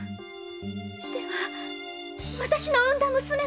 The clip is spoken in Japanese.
では私の産んだ娘は？